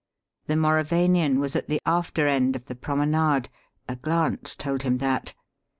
The Mauravanian was at the after end of the promenade a glance told him that.